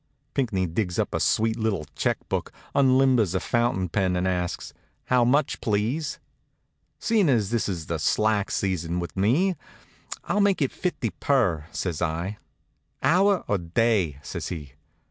Pinckney digs up a sweet little check book, unlimbers a fountain pen, and asks: "How much, please?" "Seein' as this is the slack season with me, I'll make it fifty per," says I. "Hour or day?" says he.